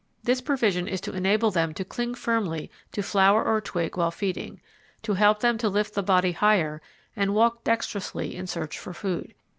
This provision is to enable them to cling firmly to flower or twig while feeding, to help them to lift the body higher, and walk dextrously in searching for food.